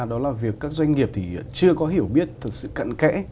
đó là việc các doanh nghiệp thì chưa có hiểu biết thực sự cận kẽ